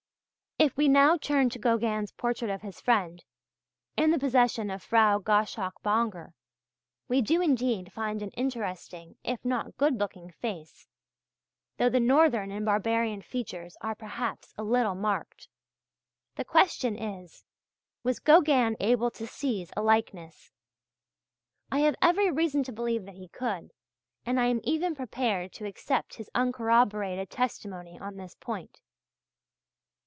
If we now turn to Gauguin's portrait of his friend, in the possession of Frau Gosschalk Bonger, we do indeed find an interesting, if not a good looking face, though the northern and barbarian features are perhaps a little marked. The question is, was Gauguin able to seize a likeness? I have every reason to believe that he could, and I am even prepared to accept his uncorroborated testimony on this point.